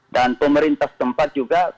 dan pemerintah tempat juga